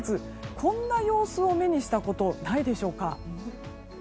こんな様子を目にしたことはないでしょうか。